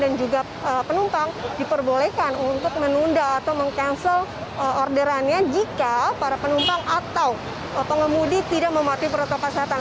dan juga penumpang diperbolehkan untuk menunda atau meng cancel orderannya jika para penumpang atau pengemudi tidak mematuhi protokol kesehatan